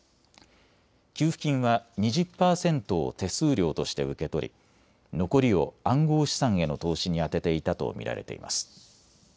給付金は２０％を手数料として受け取り、残りを暗号資産への投資に充てていたと見られています。